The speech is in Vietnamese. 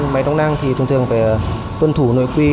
máy đóng nang thì thường phải tuân thủ nội quy